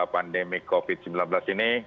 pandemi covid sembilan belas ini